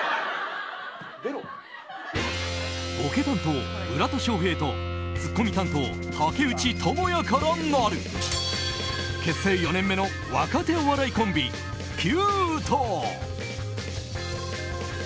ボケ担当、村田翔平とツッコミ担当、竹内智也からなる結成４年目の若手お笑いコンビピュート。